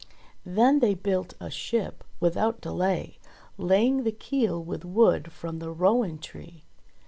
Then they built a ship without delay, laying the keel with wood from the rowan tree.